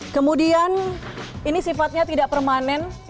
kemudian ini sifatnya tidak permanen